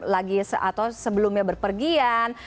lagi atau sebelumnya berpergian